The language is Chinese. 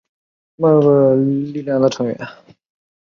该党是全国共识力量的成员。